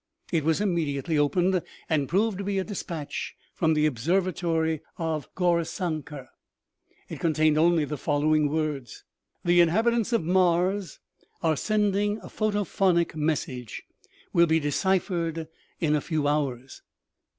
It was immediately opened, and proved to be a despatch from the observatory of Gaurisankar. It contained only the follow ing words : u The inhabitants of Mars are sending a photophonic message. Will be deciphered in a few hours."